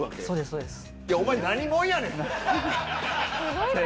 そうです